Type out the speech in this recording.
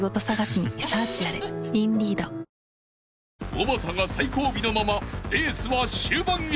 ［おばたが最後尾のままレースは終盤へ］